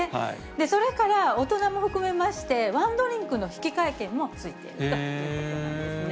それから大人も含めまして、ワンドリンクの引換券もついているということなんですね。